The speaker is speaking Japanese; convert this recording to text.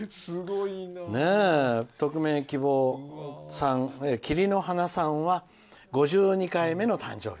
匿名希望さん、きりのはなさんは５２回目の誕生日。